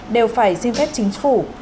đều phải riêng phép chính phủ